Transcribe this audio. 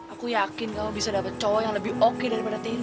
aku yakin kamu bisa dapat cowok yang lebih oke daripada tim ini